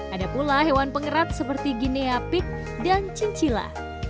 ada pula hewan pengerat seperti guinea pig dan chinchilla